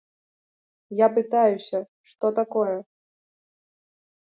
Я пытаюся, што такое?